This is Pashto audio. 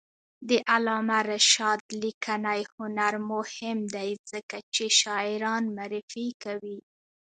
د علامه رشاد لیکنی هنر مهم دی ځکه چې شاعران معرفي کوي.